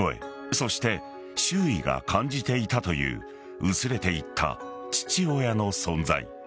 そして、周囲が感じていたという薄れていった父親の存在。